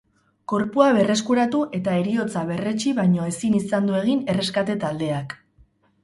Gorpua berreskuratu eta heriotza berretsi baino ezin izan du egin erreskate-taldeak.